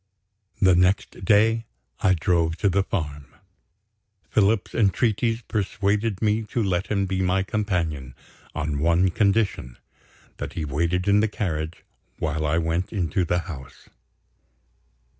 The next day I drove to the farm. Philip's entreaties persuaded me to let him be my companion, on one condition that he waited in the carriage while I went into the house.